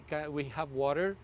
jadi kita punya air